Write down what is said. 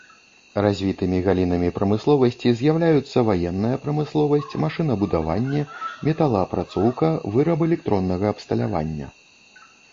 Развітымі галінамі прамысловасці з'яўляюцца ваенная прамысловасць, машынабудаванне, металаапрацоўка, выраб электроннага абсталявання.